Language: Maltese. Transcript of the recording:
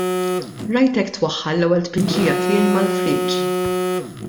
Rajtek twaħħal l-ewwel tpinġija tiegħi mal-friġġ.